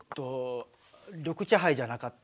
緑茶ハイじゃなかった。